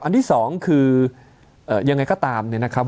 ที่สองคือยังไงก็ตามเนี่ยนะครับ